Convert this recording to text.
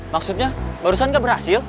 maksudnya barusan gak berhasil